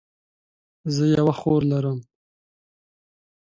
زه یوه خور لرم